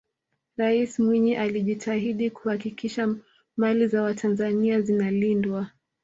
raisi mwinyi alijitahidi kuhakikisha mali za watanzania zinalindwa